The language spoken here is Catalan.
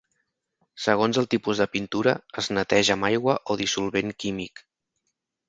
Segons el tipus de pintura, es neteja amb aigua o dissolvent químic.